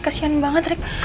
kesian banget rik